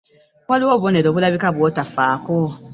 Waliwo obubonero obulabika bw'otofaako.